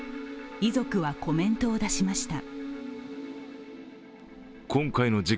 遺族はコメントを出しました。